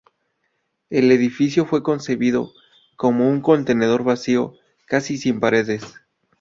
El edificio fue concebido como un contenedor vacío, casi sin paredes.